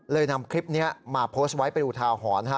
นำคลิปนี้มาโพสต์ไว้เป็นอุทาหรณ์